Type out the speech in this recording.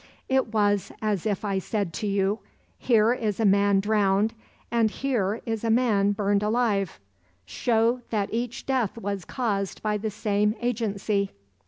It was as if I said to you: 'here is a man drowned, and here is a man burned alive: show that each death was caused by the same agency!